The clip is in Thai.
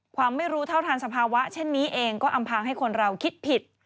ความไม่รู้เท่าทันสภาวะเช่นนี้เองก็อำพางให้คนเราคิดผิด